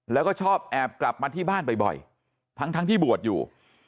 แล้วก็ชอบแอบกลับมาที่บ้านบ่อยทั้งที่บวชอยู่